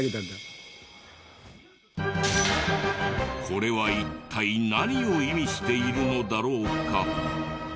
これは一体何を意味しているのだろうか？